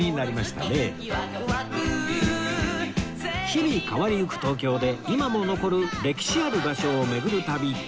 日々変わりゆく東京で今も残る歴史ある場所を巡る旅